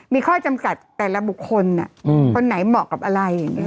มีข้อจำกัดแต่ละบุคคลคนไหนเหมาะกับอะไร